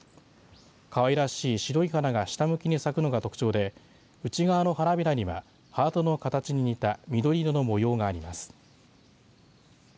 かわいらしい白い花が下向きに咲くのが特徴で内側の花びらにはハートの形に似た緑色の模様があります。